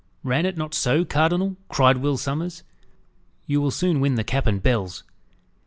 Ran it not so, cardinal?" cried Will Sommers. "You will soon win the cap and bells."